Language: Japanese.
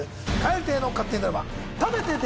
蛙亭の「勝手にドラマ」。